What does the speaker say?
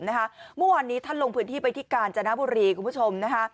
เมื่อวานนี้ท่านลงพื้นที่ไปที่กาญจนบุรีคุณผู้ชมนะคะ